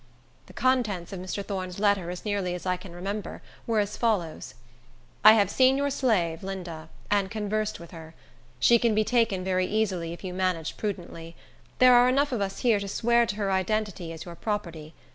The contents of Mr. Thorne's letter, as nearly as I can remember, were as follows: "I have seen your slave, Linda, and conversed with her. She can be taken very easily, if you manage prudently. There are enough of us here to swear to her identity as your property.